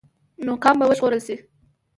نو قام به وژغورل شي.